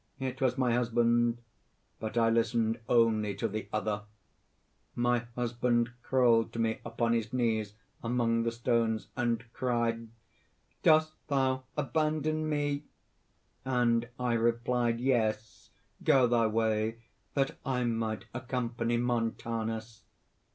It was my husband; but I listened only to the other. My husband crawled to me upon his knees among the stones, and cried 'Dost thou abandon me,' and I replied: 'Yes! go thy way!' that I might accompany Montanus."